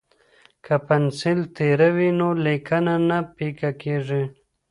که پنسل تیره وي نو لیکنه نه پیکه کیږي.